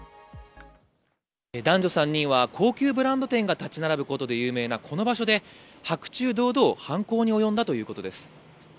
男女３人は高級ブランド店が立ち並ぶことで有名なこの場所で白昼堂々、犯行に及んだということです。